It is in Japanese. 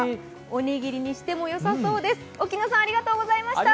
おにぎりにしてもよさそうです。